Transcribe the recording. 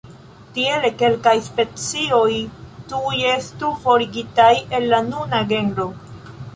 Tiele, kelkaj specioj tuj estu forigitaj el la nuna genro.